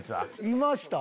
いました？